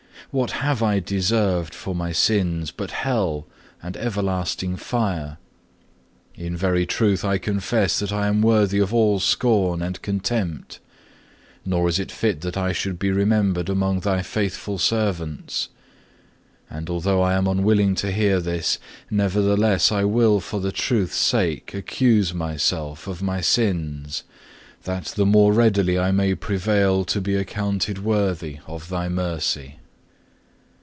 What have I deserved for my sins but hell and everlasting fire? In very truth I confess that I am worthy of all scorn and contempt, nor is it fit that I should be remembered among Thy faithful servants. And although I be unwilling to hear this, nevertheless I will for the Truth's sake, accuse myself of my sins, that the more readily I may prevail to be accounted worthy of Thy mercy.